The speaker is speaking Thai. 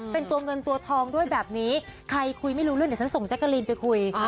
เป็นตัวเงินตัวทองด้วยแบบนี้ใครคุยไม่รู้เรื่องเดี๋ยวฉันส่งแจ๊กกะลีนไปคุย